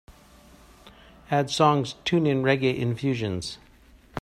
add songs tune in Reggae Infusions